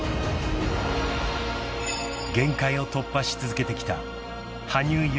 ［限界を突破し続けてきた］